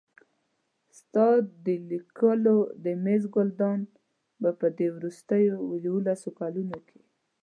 ستا د لیکلو د مېز ګلدان به په دې وروستیو یوولسو کلونو کې.